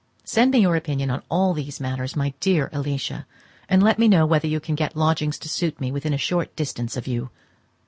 Send me your opinion on all these matters, my dear Alicia, and let me know whether you can get lodgings to suit me within a short distance of you.